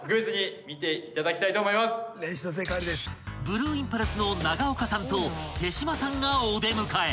［ブルーインパルスの永岡さんと手島さんがお出迎え］